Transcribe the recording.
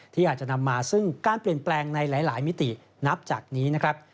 ที่อาจจะนำมาซึ่งการเปลี่ยนแปลงในหลายมิตินับจากนี้นะครับ